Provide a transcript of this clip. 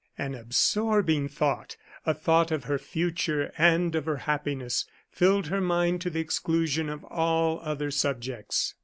An absorbing thought a thought of her future, and of her happiness, filled her mind to the exclusion of all other subjects.